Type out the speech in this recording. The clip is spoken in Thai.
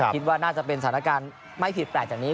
คิดว่าน่าจะเป็นสถานการณ์ไม่ผิดแปลกจากนี้